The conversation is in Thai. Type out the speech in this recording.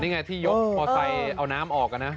อ๋อนี่ไงที่ยกพอไทยเอาน้ำออกกันนะ